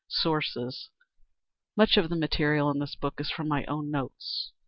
Sources Much of the material in this book is from my own notes.